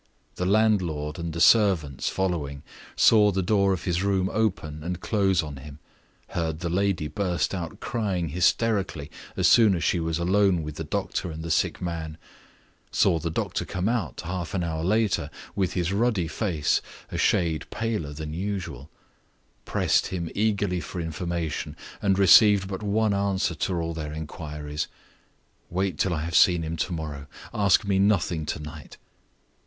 The landlord and the servants following saw the door of his room open and close on him; heard the lady burst out crying hysterically as soon as she was alone with the doctor and the sick man; saw the doctor come out, half an hour later, with his ruddy face a shade paler than usual; pressed him eagerly for information, and received but one answer to all their inquiries "Wait till I have seen him to morrow. Ask me nothing to night."